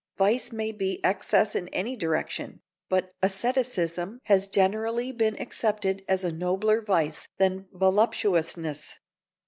Vice may be excess in any direction, but asceticism has generally been accepted as a nobler vice than voluptuousness.